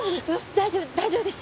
大丈夫大丈夫です。